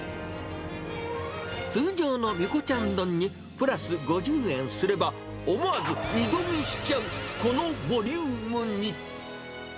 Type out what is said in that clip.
通常のみこちゃん丼に、プラス５０円すれば、思わず二度見しちゃう、このボリュームに。